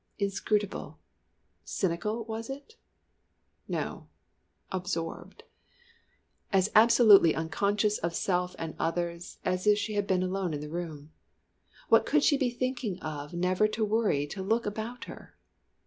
Inscrutable cynical was it? No absorbed. As absolutely unconscious of self and others as if she had been alone in the room. What could she be thinking of never to worry to look about her?